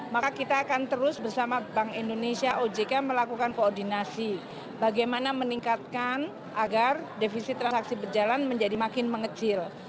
maka kita akan terus bersama bank indonesia ojk melakukan koordinasi bagaimana meningkatkan agar defisit transaksi berjalan menjadi makin mengecil